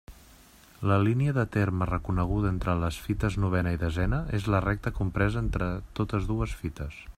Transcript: La línia de terme reconeguda entre les fites novena i desena és la recta compresa entre totes dues fites.